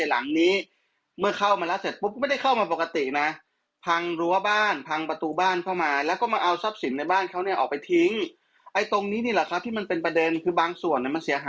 แล้วเราเคยกู้แบงค์ก็ไม่ใช่แบงค์ของคุณด้วย